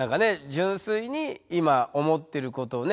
純粋に今思ってることをね